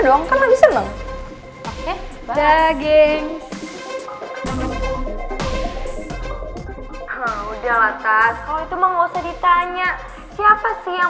lo mau ke sana cels